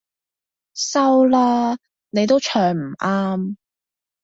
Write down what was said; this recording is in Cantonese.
收啦，你都唱唔啱